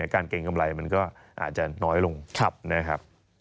เกรงกำไรมันก็อาจจะน้อยลงนะครับ